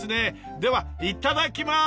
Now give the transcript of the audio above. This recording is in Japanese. ではいただきまーす！